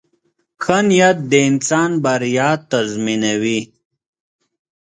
• ښه نیت د انسان بریا تضمینوي.